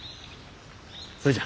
それじゃ。